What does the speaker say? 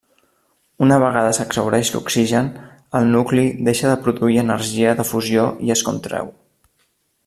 Una vegada s'exhaureix l'oxigen, el nucli deixa de produir energia de fusió i es contreu.